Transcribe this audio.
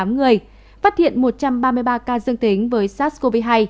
hai mươi tám người phát hiện một trăm ba mươi ba ca dương tính với sars cov hai